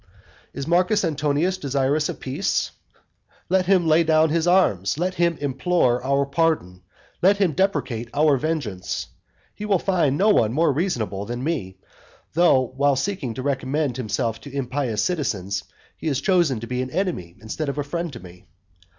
Is Marcus Antonius desirous of peace? Let him lay down his arms, let him implore our pardon, let him deprecate our vengeance; he will find no one more reasonable than me, though, while seeking to recommend himself to impious citizens, he has chosen to be an enemy instead of a friend to me.